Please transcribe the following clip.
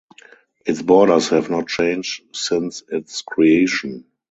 Its borders have not changed since its creation.